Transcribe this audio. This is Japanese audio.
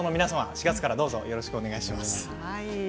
４月からよろしくお願いします。